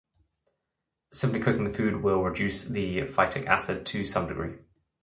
Simply cooking the food will reduce the phytic acid to some degree.